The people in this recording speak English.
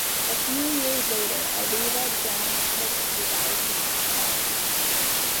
A few years later, Aviva, Dawn's cousin, desires to have a child.